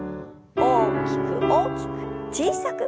大きく大きく小さく。